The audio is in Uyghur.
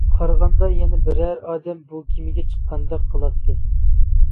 قارىغاندا يەنە بىرەر ئادەم بۇ كىمىگە چىققاندەك قىلاتتى.